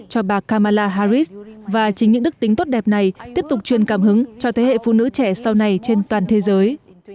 cho bà kamala harris và chính những đức tính tốt đẹp này tiếp tục truyền cảm hứng cho thế hệ phụ nữ trẻ sau này trên toàn thế giới